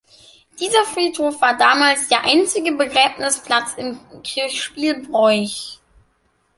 Dieser Friedhof war damals der einzige Begräbnisplatz im Kirchspiel Broich.